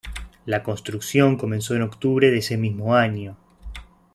La construcción comenzó en octubre de ese mismo año.